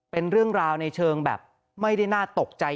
เป็นเรื่องราวในเชิงแบบไม่ได้น่าตกใจ